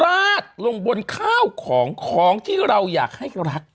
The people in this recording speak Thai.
ราดลงบนข้าวของของที่เราอยากให้รัก